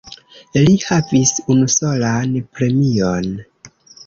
Li havis unusolan premion.